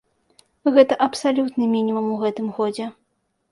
Гэта абсалютны мінімум у гэтым годзе.